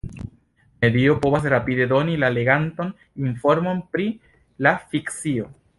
Medio povas rapide doni la leganton informon pri la fikcio.